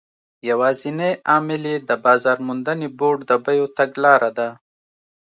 یوازینی عامل یې د بازار موندنې بورډ د بیو تګلاره ده.